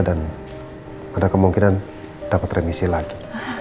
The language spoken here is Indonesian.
dan ada kemungkinan dapat remisi lagi